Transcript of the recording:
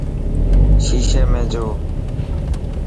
شيشي ۾ جو.